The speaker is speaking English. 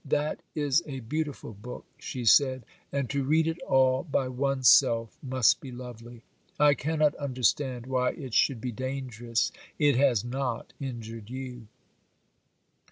'That is a beautiful book,' she said, 'and to read it all by one's self must be lovely; I cannot understand why it should be dangerous; it has not injured you.